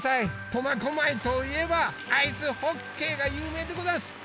苫小牧といえばアイスホッケーがゆうめいでござんす。